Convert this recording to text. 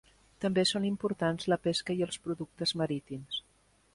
També són importants la pesca i els productes marítims.